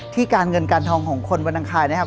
การเงินการทองของคนวันอังคารนะครับ